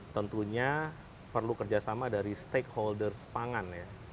tentunya perlu kerjasama dari stakeholders pangan ya